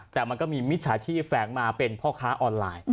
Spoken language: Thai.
แต่มันก็มีมิจฉาชีพแฝงมาเป็นพ่อค้าออนไลน์